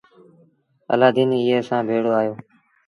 الآدين ايئي سآݩ ڀيڙو آيو۔